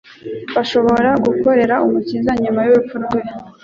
Bashoboraga gukorera Umukiza nyuma y'urupfu rwe,